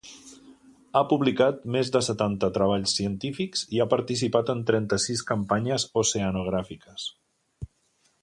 Ha publicat més de setanta treballs científics i ha participat en trenta-sis campanyes oceanogràfiques.